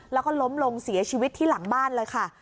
แล้วก็ล้มลงเสียชีวิตที่หลังบ้านเลยค่ะ